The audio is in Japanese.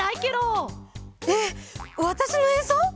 えっわたしのえんそう？